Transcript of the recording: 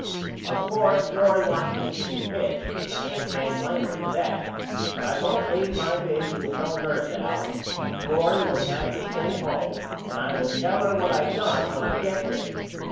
Of course Florrie wants to see me pitch and a man can't blame her for that but I won't leave my baby with no nurse Al and Florrie will have to stay home and I will tell her what I done when I get there.